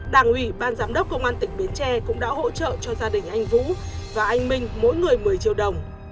đảng ủy ban giám đốc công an tỉnh bến tre cũng đã hỗ trợ cho gia đình anh vũ và anh minh mỗi người một mươi triệu đồng